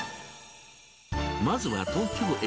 まずは東京駅。